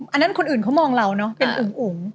อันนั้นคนอื่นเขามองเราเนอะเป็นอุ๋ง